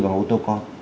bằng ô tô con